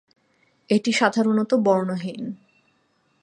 এটি সাধারণত বর্ণহীন।